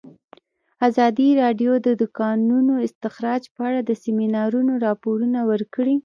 ازادي راډیو د د کانونو استخراج په اړه د سیمینارونو راپورونه ورکړي.